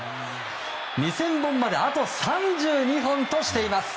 ２０００本まであと３２本としています。